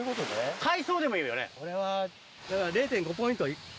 海藻でもいいよね。